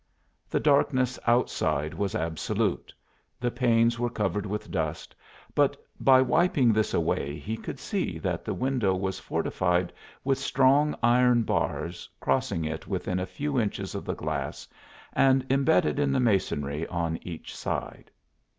The darkness outside was absolute, the panes were covered with dust, but by wiping this away he could see that the window was fortified with strong iron bars crossing it within a few inches of the glass and imbedded in the masonry on each side.